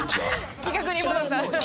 企画に戻った。